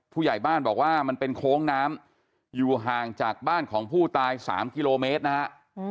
ผู้ใหญ่บ้านบอกว่ามันเป็นโค้งน้ำอยู่ห่างจากบ้านของผู้ตาย๓กิโลเมตรนะฮะ